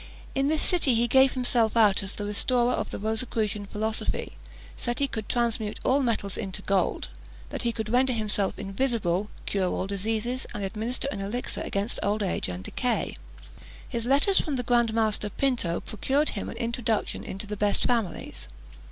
In this city he gave himself out as the restorer of the Rosicrucian philosophy; said he could transmute all metals into gold; that he could render himself invisible, cure all diseases, and administer an elixir against old age and decay. His letters from the Grand Master Pinto procured him an introduction into the best families.